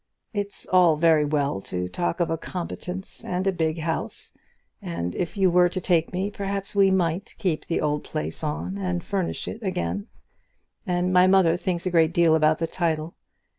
It's all very well to talk of a competence and a big house, and if you were to take me, perhaps we might keep the old place on and furnish it again, and my mother thinks a great deal about the title.